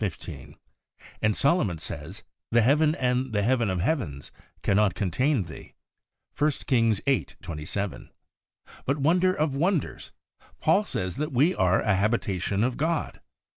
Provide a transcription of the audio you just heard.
15); and Solomon says, 'The Heaven and Heaven of heavens cannot contain Thee' (i Kings viii. 27). But, wonder of wonders ! Paul says that we are a habitation of God.